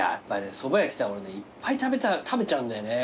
そば屋来たら俺ねいっぱい食べちゃうんだよね。